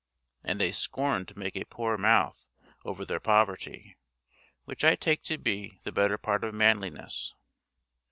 And they scorn to make a poor mouth over their poverty, which I take to be the better part of manliness.